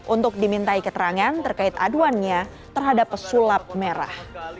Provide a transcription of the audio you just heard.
untuk dimintai keterangan terkait aduannya terhadap pesulap merah